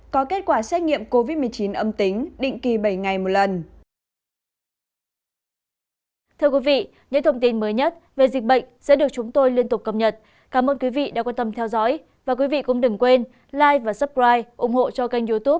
có kết quả xét nghiệm covid một mươi chín âm tính định kỳ bảy ngày một lần